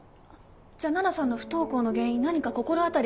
じゃ奈々さんの不登校の原因何か心当たりありますか？